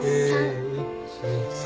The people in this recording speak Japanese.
３。